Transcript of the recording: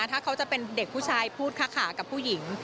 ถ้าเขาจะเป็นเด็กผู้ชายพูดค้าขากับผู้หญิง